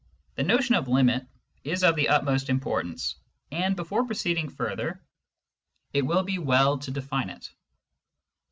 The notion of " limit " is of the utmost importance, and before proceeding further it will be well to define it.